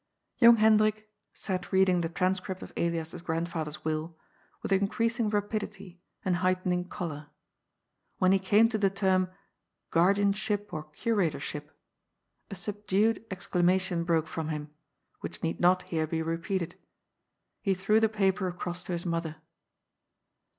Young Hendrik sat reading the transcript of Elias's grandfather's will with increasing rapidity and heightening colour. When he came to the term " guardianship or cura torship," a subdued exclamation broke from him, which need not here be repeated. He threw the paper across to his mother.